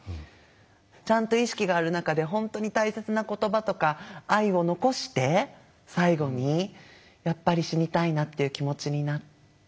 ちゃんと意識がある中で本当に大切な言葉とか愛を残して最後にやっぱり死にたいなっていう気持ちになって。